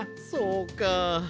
そうか。